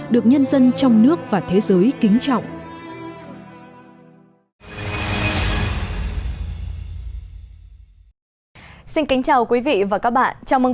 được nhân dân trong nước và thế giới kính trọng